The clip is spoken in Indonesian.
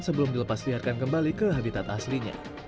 sebelum dilepasliarkan kembali ke habitat aslinya